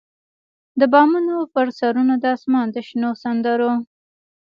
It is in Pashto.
د بامونو پر سرونو د اسمان د شنو سندرو،